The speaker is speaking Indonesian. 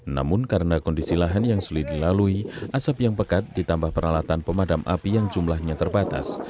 namun karena kondisi lahan yang sulit dilalui asap yang pekat ditambah peralatan pemadam api yang jumlahnya terbatas